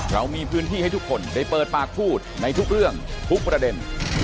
เรามีพื้นที่ให้ทุกคนได้เปิดปากพูดในทุกเรื่องทุกประเด็น